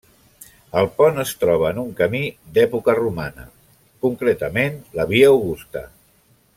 El pont es troba en un camí d'època romana, concretament la via Augusta.